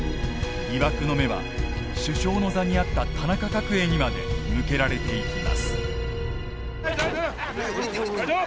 疑惑の目は首相の座にあった田中角栄にまで向けられていきます。